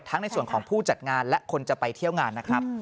ในส่วนของผู้จัดงานและคนจะไปเที่ยวงานนะครับ